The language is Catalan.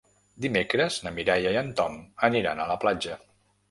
Dimecres na Mireia i en Tom aniran a la platja.